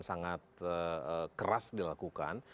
sangat keras dilakukan